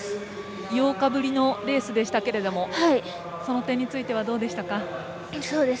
８日ぶりのレースでしたけれどもその点についてはどうでしたか。